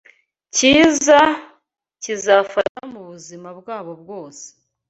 cyiza kizabafasha mu buzima bwabo bwose